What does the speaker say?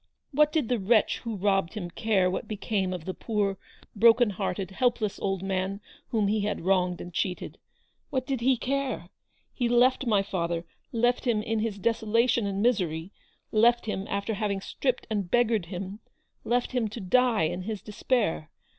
What did the wretch who robbed him care what became of the poor, broken hearted, helpless old man whom he had wronged and cheated ? What did he care ? He left my father ; left him in his desolation and misery ; left him after having stripped and beggared him ; left him to die in his despair.